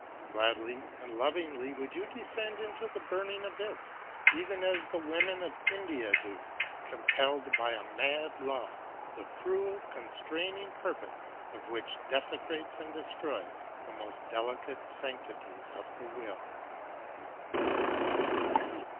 Gladly and lovingly would you descend into the burning abyss, even as the women of India do, impelled by a mad law, the cruel, constraining purpose of which desecrates and destroys the most delicate sanctities of the will.